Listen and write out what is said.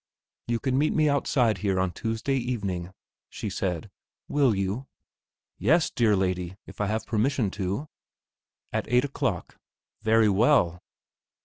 "You can meet me outside here on Tuesday evening," she said. "Will you?" "Yes, dear lady, if I have permission to." "At eight o'clock." "Very well."